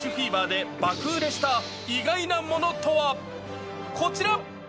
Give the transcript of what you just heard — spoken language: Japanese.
フィーバーで爆売れした意外なものとは、こちら。